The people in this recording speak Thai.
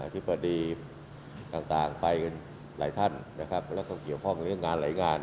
ธิบดีต่างไปกันหลายท่านนะครับแล้วก็เกี่ยวข้องเรื่องงานหลายงาน